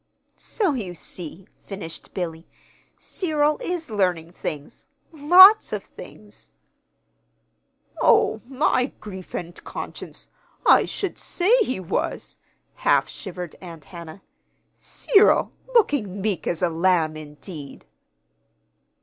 "So you see," finished Billy, "Cyril is learning things lots of things." "Oh, my grief and conscience! I should say he was," half shivered Aunt Hannah. "Cyril looking meek as a lamb, indeed!"